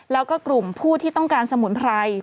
แล้วก็กลุ่มผู้ที่ต้องการสมุนไพร